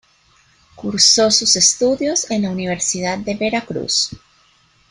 Cursó sus estudios en la Universidad de Veracruz.